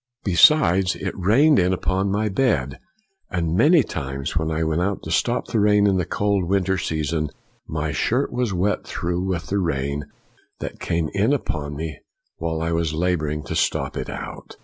Besides, it rained in upon my bed, and many times when I went out to stop the rain in the cold, win ter season, my shirt was wet through with the rain that came in upon me while I was laboring to stop it out.